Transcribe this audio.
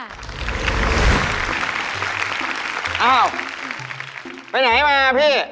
อ้าวไปไหนมาพี่